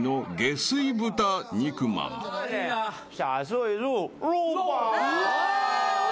うわ！